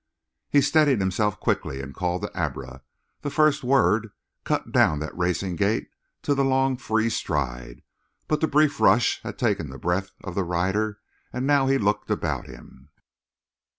He steadied himself quickly and called to Abra; the first word cut down that racing gait to the long, free stride, but the brief rush had taken the breath of the rider, and now he looked about him.